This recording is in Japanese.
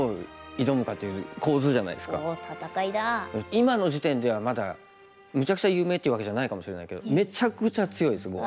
今の時点ではまだめちゃくちゃ有名っていうわけじゃないかもしれないけどめちゃくちゃ強いですもう。